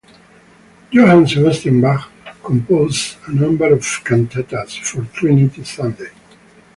Johann Sebastian Bach composed a number of cantatas for Trinity Sunday.